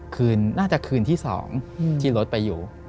น่าจะคืนที่๒ที่รถไปอยู่